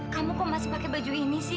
kamu kok masih pakai baju ini sih